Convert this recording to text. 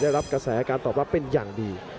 ได้รับกระแสการตอบรับเป็นอย่างดี